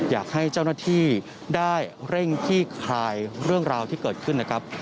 อยากให้เจ้าหน้าที่ได้เร่งขี้คลายเรื่องราวที่เกิดขึ้นนะครับ